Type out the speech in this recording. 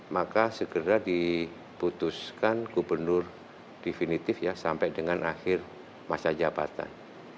maka segera diputuskan gubernur definitif ya sampai dengan akhir masa jabatan